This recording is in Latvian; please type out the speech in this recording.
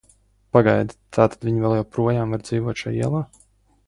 Pagaidi, tātad viņi vēl joprojām var dzīvot šai ielā?